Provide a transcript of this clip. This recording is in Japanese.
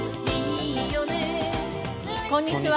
こんにちは。